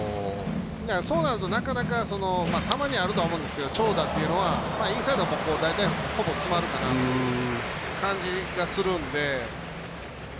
そうなるとなかなかたまにあると思うんですけど長打というのは、インサイド大体、ほぼ詰まるかなという感じがするんで。